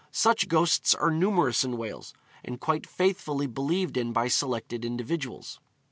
Such ghosts are numerous in Wales, and quite faithfully believed in by selected individuals.